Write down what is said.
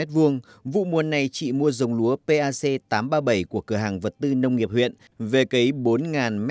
vụ mùa này chị mua dòng lúa pac tám trăm ba mươi bảy của cửa hàng vật tư nông nghiệp huyện về cấy bốn m hai